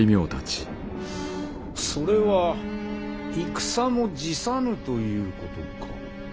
それは戦も辞さぬということか。